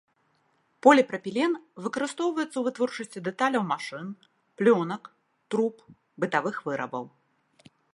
Поліпрапілен выкарыстоўваецца ў вытворчасці дэталяў машын, плёнак, труб, бытавых вырабаў.